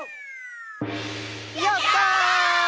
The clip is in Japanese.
「やったー！！」